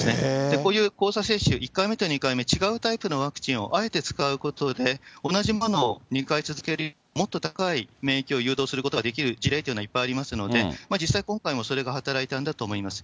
こういう交差接種、１回目と２回目、違うタイプのワクチンをあえて使うことで、同じものを２回続ける、免疫を誘導することができる事例というのはいっぱいありますので、実際今回も、それが働いたんだと思います。